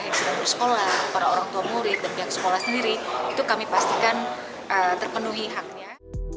yang sudah bersekolah para orang tua murid dan pihak sekolah sendiri itu kami pastikan terpenuhi haknya